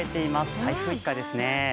台風一過ですね。